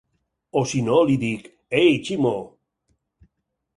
O sinó li dic "Ei, Ximo..."